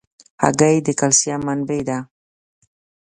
هګۍ د کلسیم منبع ده.